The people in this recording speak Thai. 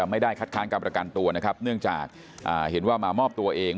ไม่ได้คัดค้างการประกันตัวนะครับเนื่องจากเห็นว่ามามอบตัวเอง